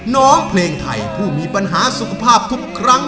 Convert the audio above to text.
น้องเพลงไทยผู้มีปัญหาสุขภาพทุกครั้ง